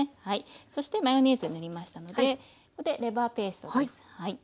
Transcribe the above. そしてマヨネーズ塗りましたのでここでレバーペーストです。